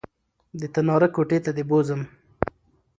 د تناره کوټې ته دې بوځم